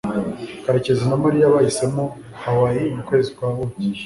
karekezi na mariya bahisemo hawaii mukwezi kwa buki